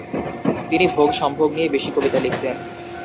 তিনি ভোগ সম্ভোগ নিয়ে বেশি কবিতা লিখতেন।